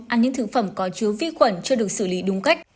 ăn những thức phẩm có chứa vi khuẩn cho được xử lý đúng cách